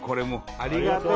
ありがとう！